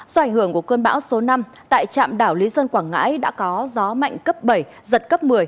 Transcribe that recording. do ảnh hưởng của cơn bão số năm tại trạm đảo lý sơn quảng ngãi đã có gió mạnh cấp bảy giật cấp một mươi